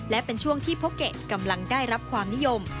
และเป็นช่วงที่โพเกะกำลังได้รับความนิยม